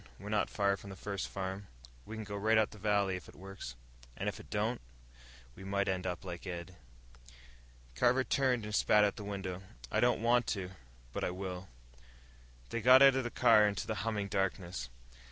We're not far from the first farm. We can go right up the valley. If it works." "And if it don't?" "We might end up like Ed." Carver turned and spat out the window. "I don't want to, but I will." They got out of the car, into the humming darkness.